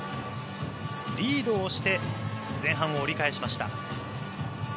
リードをして前半を折り返しました。